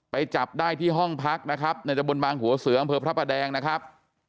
จับได้ที่ห้องพักนะครับในตะบนบางหัวเสืออำเภอพระประแดงนะครับ